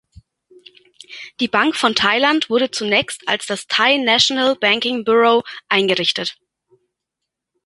Die Bank von Thailand wurde zunächst als das „Thai National Banking Bureau“ eingerichtet.